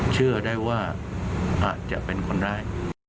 เชื่อได้ว่าอาจจะเป็นคนร้าย